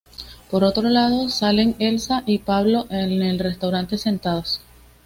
Por otro lado, salen Elsa y Pablo en el restaurante sentados.